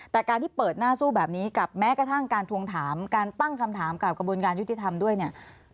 แต่การที่เปิดหน้าสู้แบบนี้กับแม้กระทั่งการทวงถามการตั้งคำถามกับกระบวนการยุติธรรมด้วยเนี่ย